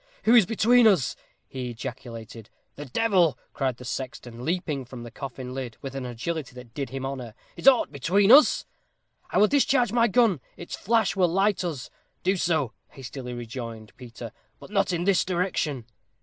"Who is between us?" he ejaculated. "The devil!" cried the sexton, leaping from the coffin lid with an agility that did him honor. "Is aught between us?" "I will discharge my gun. Its flash will light us." "Do so," hastily rejoined Peter. "But not in this direction."